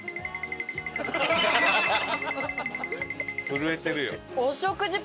震えてるよ。